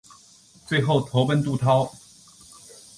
最后投奔杜弢。